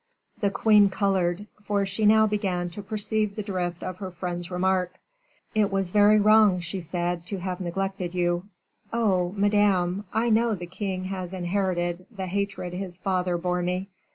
The queen colored, for she now began to perceive the drift of her friend's remark. "It was very wrong," she said, "to have neglected you." "Oh! madame, I know the king has inherited the hatred his father bore me.